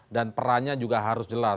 dan perannya juga harus jelas